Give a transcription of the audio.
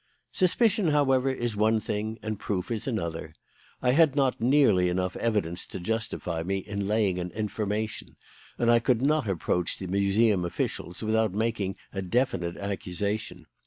"Suspicion, however, is one thing and proof is another. I had not nearly enough evidence to justify me in laying an information, and I could not approach the Museum officials without making a definite accusation.